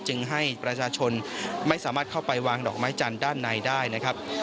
ให้ประชาชนไม่สามารถเข้าไปวางดอกไม้จันทร์ด้านในได้นะครับ